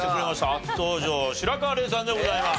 初登場白河れいさんでございます。